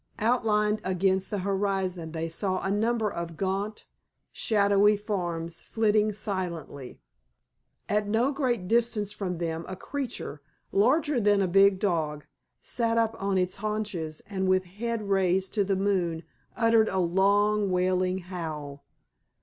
Outlined against the horizon they saw a number of gaunt, shadowy forms flitting silently. At no great distance from them a creature, larger than a big dog, sat up on its haunches and with head raised to the moon uttered a long, wailing howl.